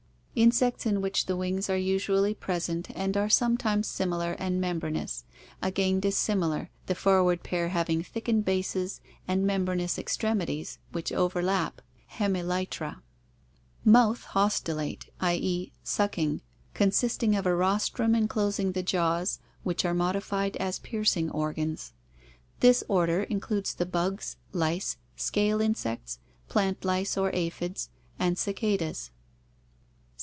Insects in which the wings are usually present and are sometimes similar and membranous, again dissimilar, the for ward pair having thickened bases and membranous extremities which overlap (hemelytra). Mouth haustellate, i. <?., sucking, consisting of a rostrum enclosing the jaws, which are modified as piercing organs. This order includes the bugs, lice, scale insects, plant lice or aphids, and cicadas.